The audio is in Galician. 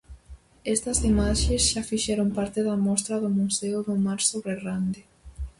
Estas imaxes xa fixeron parte da mostra do Museo do Mar sobre Rande.